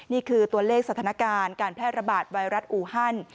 นี่คือตัวเลขสถานการณ์การแพร่ระบาดไวรัสอูฮัน